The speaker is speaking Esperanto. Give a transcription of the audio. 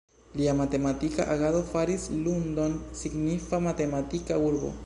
Lia matematika agado faris Lund-on signifa matematika urbo.